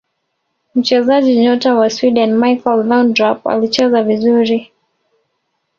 mchezaji nyota wa sweden michael laundrap alicheza vizuri